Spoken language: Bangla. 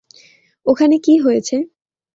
ওখানে কি হয়েছে?